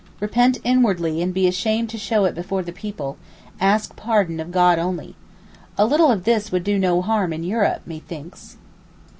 Repent inwardly, and be ashamed to show it before the people—ask pardon of God only. A little of this would do no harm in Europe, methinks.